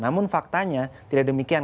namun faktanya tidak demikian